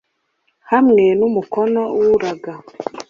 hamwe n’umukono w’uraga.